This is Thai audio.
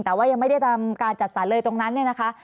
แต่ว่ายังไม่ได้การจัดสรรเลยตรงนั้น